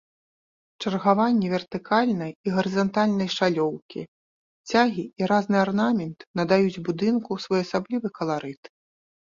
Чаргаванне вертыкальнай і гарызантальнай шалёўкі, цягі і разны арнамент надаюць будынку своеасаблівы каларыт.